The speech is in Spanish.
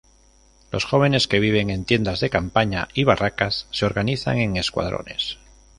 Los jóvenes, que viven en tiendas de campaña y barracas, se organizan en escuadrones.